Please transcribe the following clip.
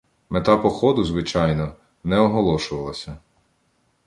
Мета походу, звичайно, не оголошувалася.